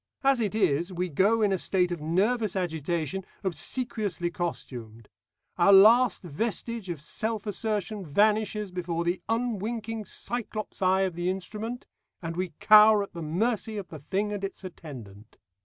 As it is, we go in a state of nervous agitation, obsequiously costumed; our last vestige of self assertion vanishes before the unwinking Cyclops eye of the instrument, and we cower at the mercy of the thing and its attendant.